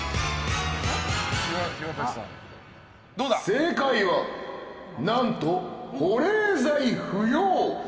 正解は何と、保冷剤不要！